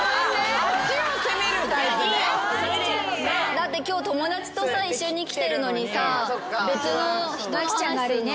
だって今日友達とさ一緒に来てるのにさ別の人の話するのはやだ。